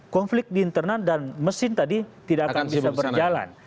konflik di internal dan mesin tadi tidak akan bisa berjalan